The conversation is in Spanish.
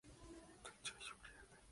Obispo y Patrón de Teramo.